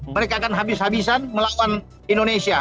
mereka akan habis habisan melawan indonesia